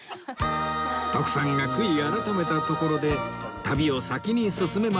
徳さんが悔い改めたところで旅を先に進めましょう